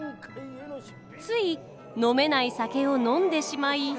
つい飲めない酒を飲んでしまい。